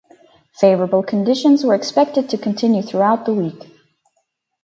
Favorable conditions were expected to continue throughout the week.